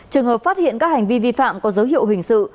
trường hợp phát hiện các hành vi vi phạm có dấu hiệu hình sự